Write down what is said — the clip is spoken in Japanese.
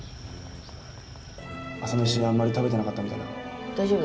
朝飯もあんまり食べてなかったみたいだけど？